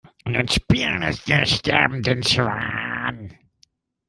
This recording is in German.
Nun spiel nicht den sterbenden Schwan.